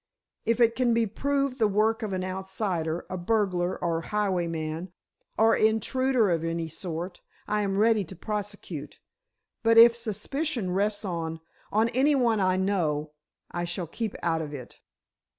If it can be proved the work of an outsider—a burglar or highwayman—or intruder of any sort, I am ready to prosecute—but if suspicion rests on—on anyone I know—I shall keep out of it."